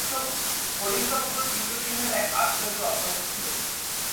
কনিষ্ঠ পুত্র চিত্রসিংহের এক আশ্চর্য অভ্যাস ছিল।